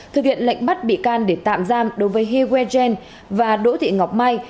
thực hiện lệnh bắt bị can để tạm giam đối với he weijen và đỗ thị ngọc mai